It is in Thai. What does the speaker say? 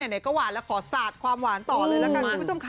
ไหนก็หวานแล้วขอสาดความหวานต่อเลยละกันคุณผู้ชมค่ะ